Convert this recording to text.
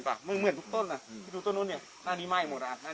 หน้าไหม้นึงงี้เลย